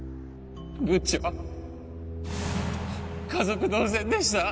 ブッチは家族同然でした。